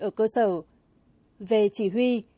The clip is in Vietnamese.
ở cơ sở về chỉ huy